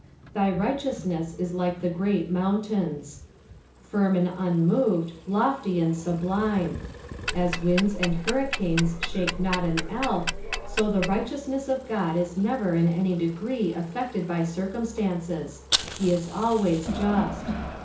'TAy righteoiuTuu is lUce the great movntaint." Firm and unmoved, lofty and sublime. As winds and hurricanes shake not an Alp, so the rightcousnesB of God is never in any degree affected by circumstances ; he ia always Just.